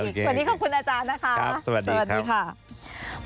วันนี้ขอบคุณอาจารย์นะคะสวัสดีค่ะครับสวัสดีครับ